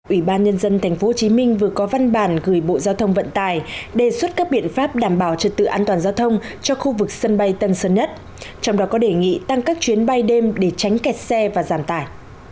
ủy ban nhân dân tp hcm vừa có văn bản gửi bộ giao thông vận tài đề xuất các biện pháp đảm bảo trật tự an toàn giao thông cho khu vực sân bay tân sơn nhất trong đó có đề nghị tăng các chuyến bay đêm để tránh kẹt xe và giảm tải